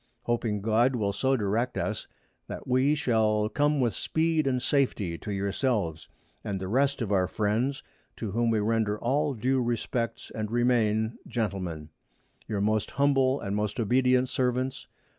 Hoping God will so direct us, that we shall come with Speed and Safety to yourselves, and the rest of our Friends, to whom we render all due Respects, and remain,_ Gentlemen , Your most humble and most obedient Servants, Tho.